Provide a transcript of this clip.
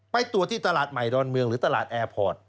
ไปตรวจที่ตลาดใหม่ดอนเมืองหรือตลาดแอร์พอร์ต